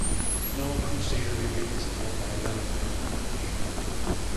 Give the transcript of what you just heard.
No Crusader remains have yet been identified in the village.